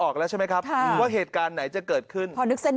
ออกแล้วใช่ไหมครับว่าเหตุการณ์ไหนจะเกิดขึ้นพอนึกเส้น